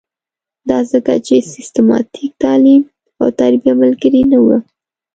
دا ځکه چې سیستماتیک تعلیم او تربیه ملګرې نه وه.